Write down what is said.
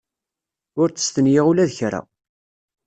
Ur ttestenyiɣ ula d kra.